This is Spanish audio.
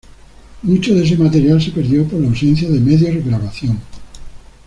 Mucho de ese material se perdió por la ausencia de medios grabación.